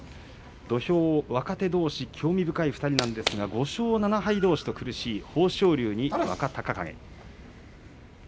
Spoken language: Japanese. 土俵は若手どうし興味深い２人なんですが５勝７敗どうしという苦しい豊昇龍と若隆景。